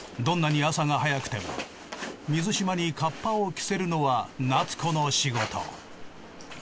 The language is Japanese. どんなに朝が早くても水嶋にカッパを着せるのは夏子の仕事。